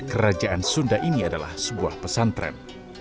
kerajaan sunda ini adalah sebuah pesantren